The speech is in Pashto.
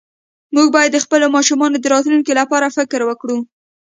مونږ باید د خپلو ماشومانو د راتلونکي لپاره فکر وکړو